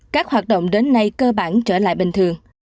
các hoạt động đến nay cơ bản trở lại bình thường